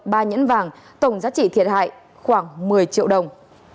ba nhẫn vàng tổng giá trị thiệt hại khoảng một mươi triệu đồng